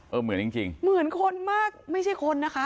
เหมือนจริงเหมือนคนมากไม่ใช่คนนะคะ